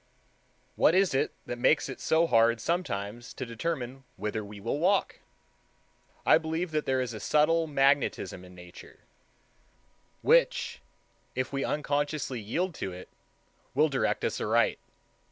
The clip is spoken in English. What is it that makes it so hard sometimes to determine whither we will walk? I believe that there is a subtle magnetism in Nature, which, if we unconsciously yield to it, will direct us aright.